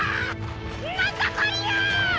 何だこりゃ！？